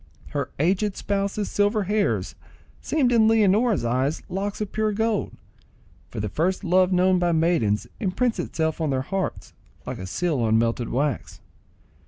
Her aged spouse's silver hairs seemed in Leonora's eyes locks of pure gold; for the first love known by maidens imprints itself on their hearts like a seal on melted wax.